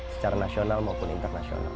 secara nasional maupun internasional